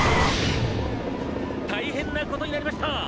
「大変なことになりました！」